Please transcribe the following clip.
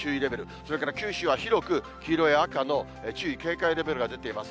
それから九州は広く、黄色や赤の注意、警戒レベルが出ています。